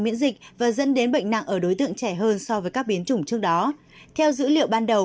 miễn dịch và dẫn đến bệnh nặng ở đối tượng trẻ hơn so với các biến chủng trước đó theo dữ liệu ban đầu